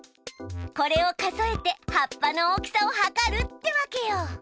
これを数えて葉っぱの大きさをはかるってわけよ。